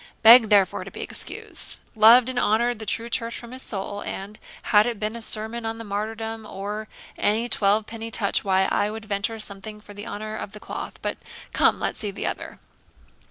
Begged therefore to be excused. Loved and honoured the true church from his soul, and, had it been a sermon on the martyrdom, or any twelve penny touch why, I would venture something for the honour of the cloth. But come, let's see the other.